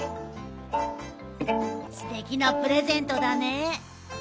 すてきなプレゼントだね。